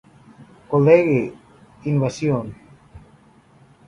College Invasion".